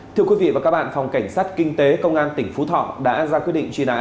thưa quý vị và các bạn phòng cảnh sát kinh tế công an tỉnh phú thọ đã ra quyết định truy nã